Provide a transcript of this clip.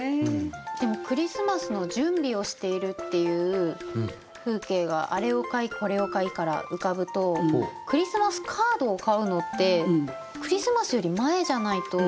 でもクリスマスの準備をしているっていう風景が「あれを買ひこれを買ひ」から浮かぶとクリスマスカードを買うのってクリスマスより前じゃないと。